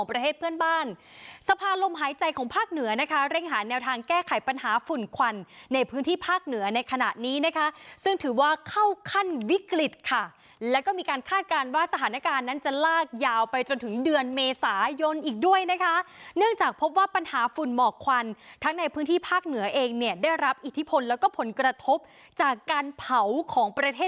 ประเทศเพื่อนบ้านสภาลมหายใจของภาคเหนือนะคะเร่งหาแนวทางแก้ไขปัญหาฝุ่นควันในพื้นที่ภาคเหนือในขณะนี้นะคะซึ่งถือว่าเข้าขั้นวิกฤตค่ะแล้วก็มีการคาดการณ์ว่าสถานการณ์นั้นจะลากยาวไปจนถึงเดือนเมษายนอีกด้วยนะคะเนื่องจากพบว่าปัญหาฝุ่นหมอกควันทั้งในพื้นที่ภาคเหนือเองเนี่ยได้รับอิทธิพลแล้วก็ผลกระทบจากการเผาของประเทศ